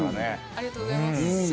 ありがとうございます。